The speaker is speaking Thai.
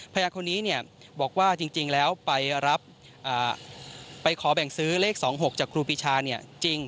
พยานคนนี้บอกว่าจริงแล้วไปรับไปขอแบ่งซื้อเลข๒๖จากครูปีชาจริง